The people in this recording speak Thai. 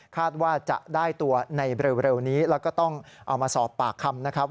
ว่าจะได้ตัวในเร็วนี้แล้วก็ต้องเอามาสอบปากคำนะครับ